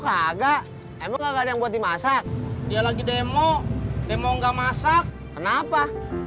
kagak emang buat dimasak dia lagi demo demo enggak masak kenapa